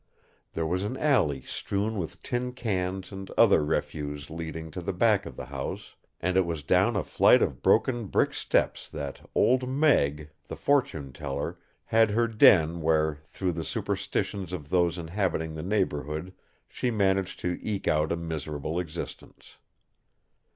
There was an alley strewn with tin cans and other refuse leading to the back of the house, and it was down a flight of broken brick steps that Old Meg, the fortune teller, had her den where through the superstitions of those inhabiting the neighborhood she managed to eke out a miserable existence.